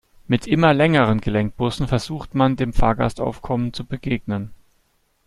Mit immer längeren Gelenkbussen versucht man, dem Fahrgastaufkommen zu begegnen.